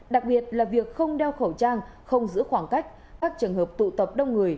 đặc biệt là việc không đeo khẩu trang không giữ khoảng cách các trường hợp tụ tập đông người